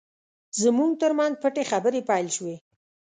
زموږ ترمنځ پټې خبرې پیل شوې.